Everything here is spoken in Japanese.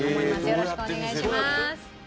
よろしくお願いします。